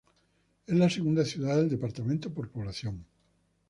Es la segunda ciudad del departamento por población.